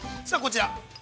さあ、こちら。